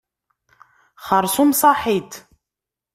Xeṛṣum saḥit.